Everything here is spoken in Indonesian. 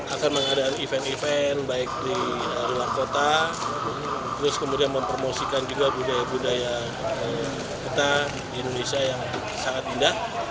akan mengadakan event event baik di luar kota terus kemudian mempromosikan juga budaya budaya kita di indonesia yang sangat indah